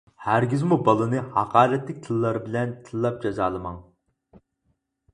ھەرگىزمۇ بالىنى ھاقارەتلىك تىللار بىلەن تىللاپ جازالىماڭ.